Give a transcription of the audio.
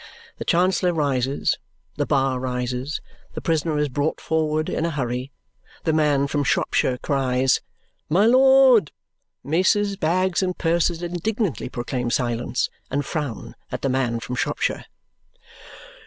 The Chancellor rises; the bar rises; the prisoner is brought forward in a hurry; the man from Shropshire cries, "My lord!" Maces, bags, and purses indignantly proclaim silence and frown at the man from Shropshire.